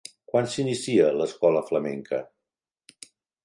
Quan s'inicia l'escola flamenca?